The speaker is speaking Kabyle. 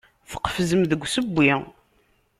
Tqefzem deg usewwi.